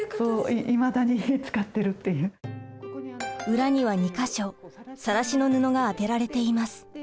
裏には２か所さらしの布が当てられています。